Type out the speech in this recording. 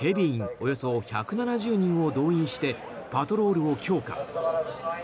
およそ１７０人を動員してパトロールを強化。